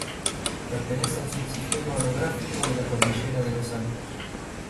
Pertenece al subsistema orográfico de la Cordillera de los Altos.